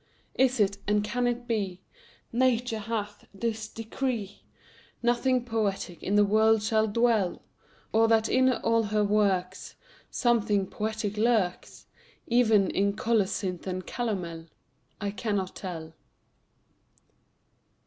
Is it, and can it be, Nature hath this decree, Nothing poetic in the world shall dwell? Or that in all her works Something poetic lurks, Even in colocynth and calomel? I cannot tell.